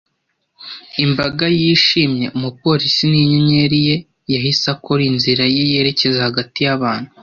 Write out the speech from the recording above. Imbaga yishimye, umupolisi ninyenyeri ye yahise akora inzira ye yerekeza hagati yabantu,